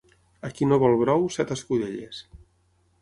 A qui no vol brou, set escudelles.